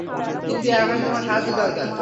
কিন্তু এখনই তোমার সাহায্য দরকার।